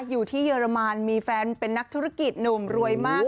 อยู่ที่เยอรมันมีแฟนเป็นนักธุรกิจหนุ่มรวยมาก